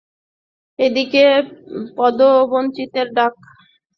এদিকে পদবঞ্চিতদের ডাকা অবরোধ চলাকালে গতকাল বৃহস্পতিবারও শাটল ট্রেন চলাচল করেনি।